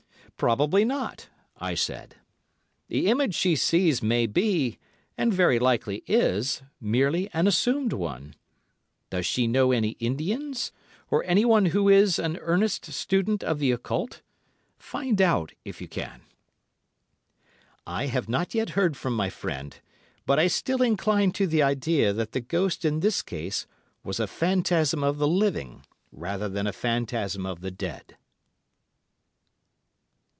"Probably not," I said. "The image she sees may be, and very likely is, merely an assumed one. Does she know any Indians, or anyone who is an earnest student of the occult? Find out if you can." I have not yet heard from my friend, but I still incline to the idea that the ghost in this case was a phantasm of the living, rather than a phantasm of the dead.